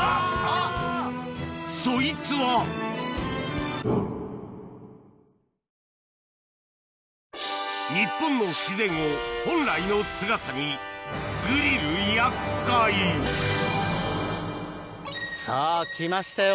そいつは日本の自然を本来の姿にさぁ来ましたよ